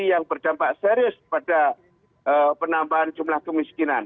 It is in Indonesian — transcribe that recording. yang berdampak serius pada penambahan jumlah kemiskinan